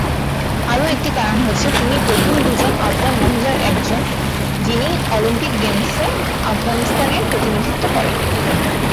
আরও একটি কারণ হল তিনি প্রথম দুজন আফগান মহিলার একজন, যিনি অলিম্পিক গেমসে আফগানিস্তানের প্রতিনিধিত্ব করেন।